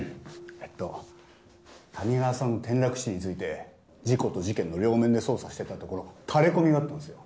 えっと谷川さんの転落死について事故と事件の両面で捜査してたところタレこみがあったんですよ。